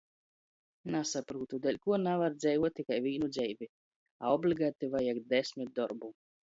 Nasaprūtu, deļkuo navar dzeivuot tikai vīnu dzeivi, a obligati vajag desmit dorbu.